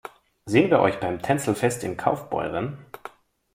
Sehen wir euch beim Tänzelfest in Kaufbeuren?